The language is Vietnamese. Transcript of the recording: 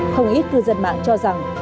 không ít cư dân mạng cho rằng